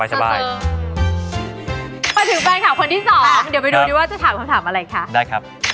พี่อายกับพี่อ๋อมไม่ได้ครับ